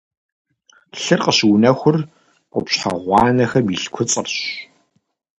Лъыр къыщыунэхур къупщхьэ гъуанэхэм илъ куцӏырщ.